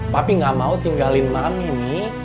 papi gak mau tinggalin mami mi